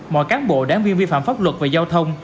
mọi cán bộ đảng viên vi phạm pháp luật về giao thông